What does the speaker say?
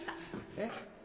えっ？